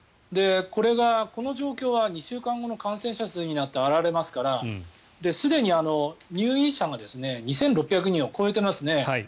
この状況は２週間後の感染者数になって現れますからすでに入院者が２６００人を超えていますね。